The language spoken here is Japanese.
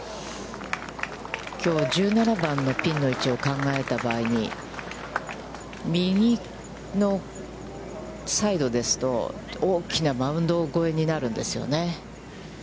きょう１７番のピンの位置を考えた場合に、右のサイドですと、大きなマウンド越えになるんですよね。